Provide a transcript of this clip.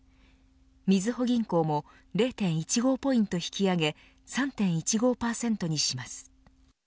みずほ銀行も０．１５ポイント引き上げ３．１５％にします。